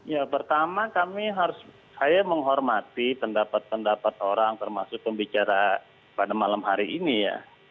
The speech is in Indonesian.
ya pertama kami harus saya menghormati pendapat pendapat orang termasuk pembicara pada malam hari ini ya